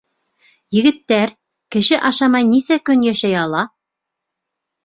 Егеттәр, кеше ашамай нисә көн йәшәй ала?